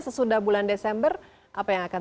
sesudah bulan desember apa yang akan